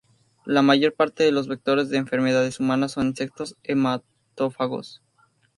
La mayor parte de los vectores de enfermedades humanas son insectos hematófagos.